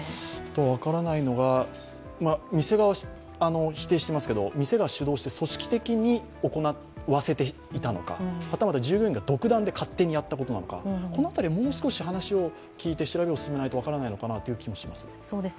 分からないのが、店側は否定していますが店が主導して組織的に行わせていたのか、はたまた従業員が独断で勝手にやったことなのかこの辺り、もう少し調べを進めないと分からない気もします。